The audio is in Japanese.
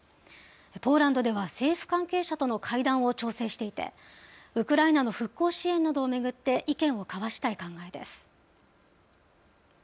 ポーランドでは政府関係者との会談を調整していて、ウクライナの復興支援などを巡って意見を交わしたい考えです。